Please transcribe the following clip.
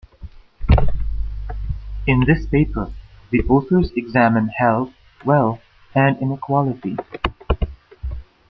In this paper, the authors examine health, wealth and inequality.